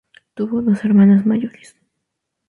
Tuvo dos hermanas mayores.